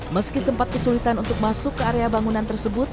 meski sempat kesulitan untuk masuk ke area bangunan tersebut